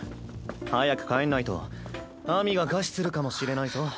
早く帰んないと秋水が餓死するかもしれないぞ。